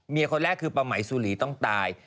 เมียคนแรกคือปัมมัยสุรีต้องตาย